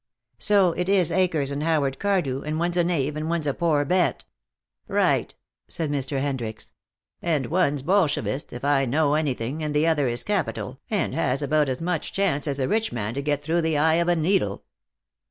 "So it is Akers and Howard Cardew, and one's a knave and one's a poor bet." "Right," said Mr. Hendricks. "And one's Bolshevist, if I know anything, and the other is capital, and has about as much chance as a rich man to get through the eye of a needle."